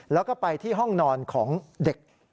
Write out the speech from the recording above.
แล้วก็ไปที่ห้องนอนของเด็ก